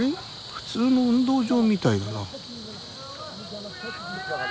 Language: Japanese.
普通の運動場みたいだな。